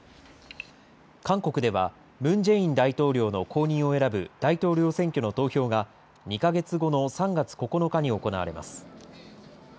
韓国では、ムン・ジェイン大統領の後任を選ぶ大統領選挙の投票が、２か月後の３月９日に行われます。